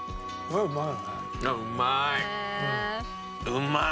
うまい！